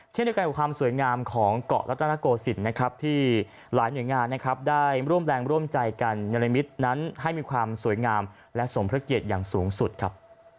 เช่นด้วยกันกับความสวยงามของเกาะระตะนกฎศิลป์นะครับ